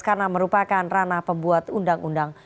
karena merupakan ranah pembuat undang undang